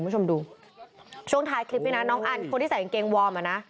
ช่วงท้ายคลิปนี้น้องอันคนที่ใส่กางเกงวอร์ม